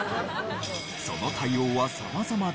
その対応は様々で。